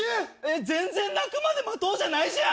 全然鳴くまで待とうじゃないじゃん。